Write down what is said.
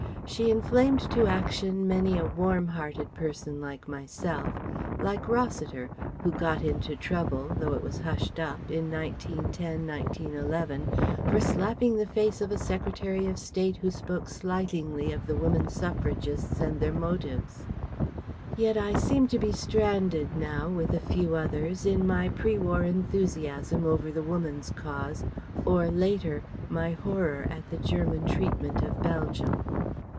She inflamed to action many a warm hearted person like myself, like Rossiter (who got into trouble though it was hushed up in 1910 1911 for slapping the face of a Secretary of State who spoke slightingly of the women Suffragists and their motives). Yet I seem to be stranded now, with a few others, in my pre war enthusiasm over the woman's cause, or, later, my horror at the German treatment of Belgium.